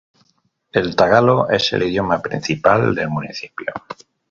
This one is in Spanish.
El tagalo es el idioma principal del municipio.